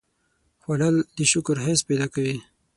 خوړل د شکر حس پیدا کوي